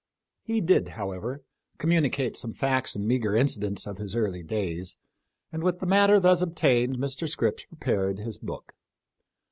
He did, however, communicate some facts and meagre incidents of his early days, and, with the matter thus obtained, Mr. Scripps prepared his book.